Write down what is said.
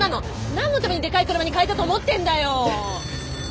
何のためにでかい車に替えたと思ってんだよ！